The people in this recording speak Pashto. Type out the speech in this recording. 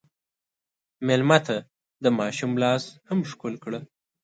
مېلمه ته د ماشوم لاس هم ښکل کړه.